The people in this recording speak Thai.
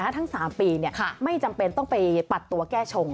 ทั้ง๓ปีไม่จำเป็นต้องไปปัดตัวแก้ชง